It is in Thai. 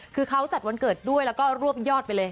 คือเขาจัดวันเกิดด้วยแล้วก็รวบยอดไปเลย